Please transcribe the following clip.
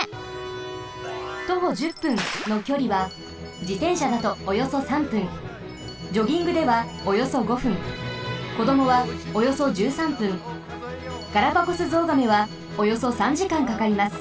「徒歩１０分」のきょりはじてんしゃだとおよそ３分ジョギングではおよそ５分こどもはおよそ１３分ガラパゴスゾウガメはおよそ３時間かかります。